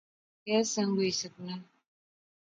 کہہ سنگ ہوئی سکنا